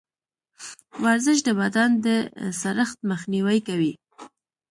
ورزش د بدن د سړښت مخنیوی کوي.